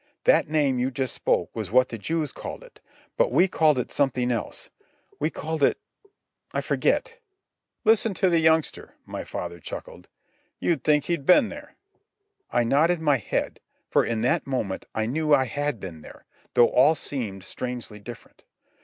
"That name you just spoke was what the Jews called it. But we called it something else. We called it ... I forget." "Listen to the youngster," my father chuckled. "You'd think he'd ben there." I nodded my head, for in that moment I knew I had been there, though all seemed strangely different.